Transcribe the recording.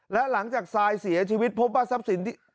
และหลังจากซายเสียชีวิตพบว่าทรัพย์สินที่